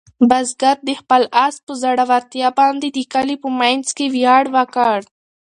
بزګر د خپل آس په زړورتیا باندې د کلي په منځ کې ویاړ وکړ.